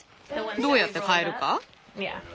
どうやって替えるか？